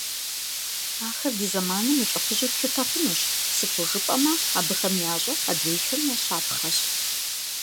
Ахэр ди зэманым и лӏыхъужьу тлъытэ хъунущ, сыту жыпӏэмэ, абыхэм ящӏэр адрейхэм я щапхъэщ.